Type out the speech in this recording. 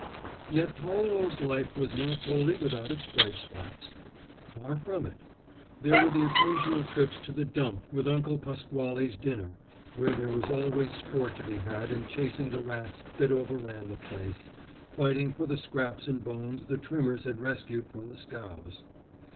Yet Paolo's life was not wholly without its bright spots. Far from it. There were the occasional trips to the dump with Uncle Pasquale's dinner, where there was always sport to be had in chasing the rats that overran the place, fighting for the scraps and bones the trimmers had rescued from the scows.